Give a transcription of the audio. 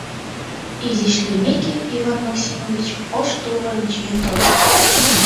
Изиш лиймеке, Иван Максимович ош тувырым чиен тольо.